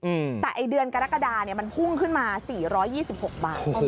อืมแต่ไอ้เดือนกรกฎาเนี้ยมันพุ่งขึ้นมาสี่ร้อยยี่สิบหกบาท